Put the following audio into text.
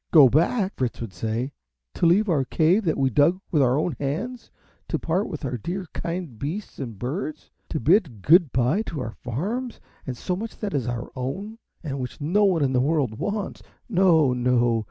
"Go back!" Fritz would say; "to leave our cave, that we dug with our own hands; to part with our dear kind beasts and birds; to bid good by to our farms, and so much that is our own, and which no one in the world wants. No, no!